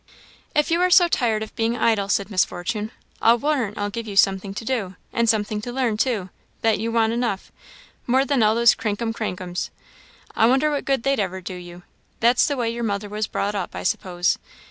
"If you are so tired of being idle," said Miss Fortune, "I'll warrant I'll give you something to do; and something to learn, too, that you want enough, more than all those crinkum crankums; I wonder what good they'd ever do you! That's the way your mother was brought up, I suppose.